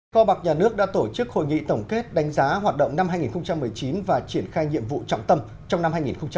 kho bạc nhà nước đã tổ chức hội nghị tổng kết đánh giá hoạt động năm hai nghìn một mươi chín và triển khai nhiệm vụ trọng tâm trong năm hai nghìn hai mươi